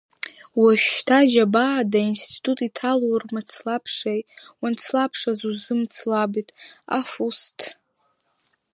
Уажәшьҭа џьабаада аинститут иҭало урмацлабшеи, уанцлабшаз узымцлабит, аф уст!